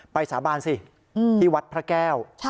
สาบานสิที่วัดพระแก้ว